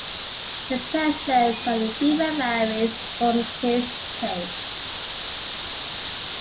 The presence of a fever varies from case to case.